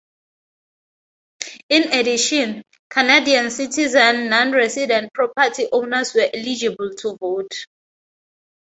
In addition, Canadian citizen non-resident property owners were eligible to vote.